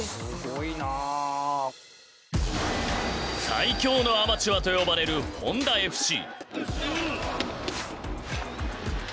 「最強のアマチュア」と呼ばれるホンダＦＣ。